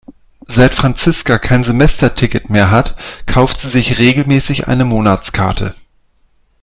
Seit Franziska kein Semesterticket mehr hat, kauft sie sich regelmäßig eine Monatskarte.